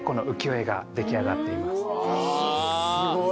・すごい。